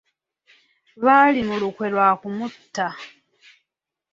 Baali mu lukwe lwa kumutta.